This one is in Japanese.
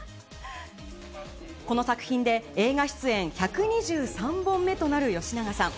この作品で、映画出演１２３本目となる吉永さん。